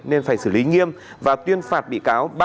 nên phải xử lý nghiêm và tuyên phạt bị cáo